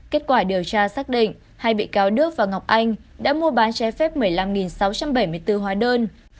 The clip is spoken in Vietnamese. kết quả điều tra xác định hai bị cáo đức và ngọc anh đã mua bán trái phép một mươi năm sáu trăm bảy mươi bốn hóa đơn